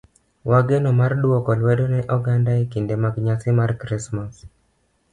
wageno mar dwoko lwedo ne oganda e kinde mag nyasi mar Krismas.